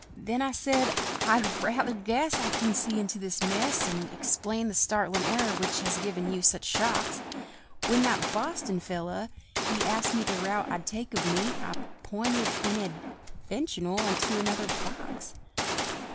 Then I said, "I rather guess I can see into this mess, And explain the startlin' error which has given you such shocks. When that Boston fellow, he Asked the route I'd take of me, I pinted, inadvertional, unto another box."